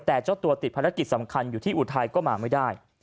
แต่เจ้าตัวติดภารกิจสำคัญอยู่ที่อุทัยก็มาไม่ได้